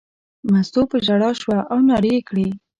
مستو په ژړا شوه او نارې یې کړې.